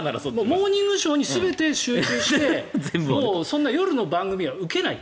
「モーニングショー」に全て集中して、夜の番組は受けない。